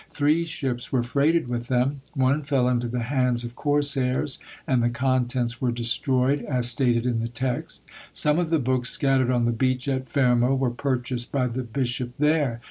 Three ships were freighted with them. One fell into the hands of corsairs, and the contents were destroyed, as stated in the text; some of the books, scattered on the beach at Fermo, were purchased by the Bishop there.